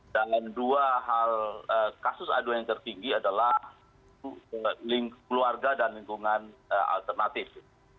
dan dua hal kasus aduan yang tertinggi adalah link keluarga dan lingkungan alternatif